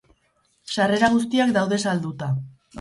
Sarrera guztiak daude salduta.